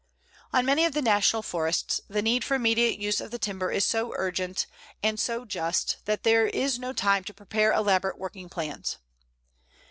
On many of the National Forests the need for immediate use of the timber is so urgent and so just that there is no time to prepare elaborate working plans.